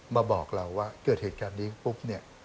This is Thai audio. มาบอกเราว่าเกิดเหตุการณ์นี้ปุ๊บเนี่ย